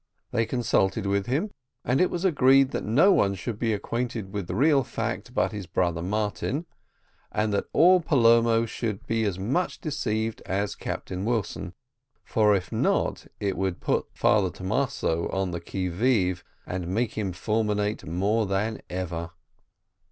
They consulted with him, and it was agreed that no one should be acquainted with the real fact but his brother Martin, and that all Palermo should be as much deceived as Captain Wilson, for if not, it would put Father Thomaso on the qui vive, and make him fulminate more than ever.